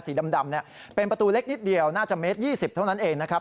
สีดำเป็นประตูเล็กนิดเดียวน่าจะเมตร๒๐เท่านั้นเองนะครับ